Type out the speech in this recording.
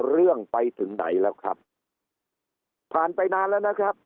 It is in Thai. เรื่องไปถึงไหนแล้วครับผ่านไปนานแล้วนะครับ